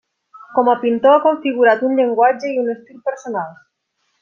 Com a pintor ha configurat un llenguatge i un estil personals.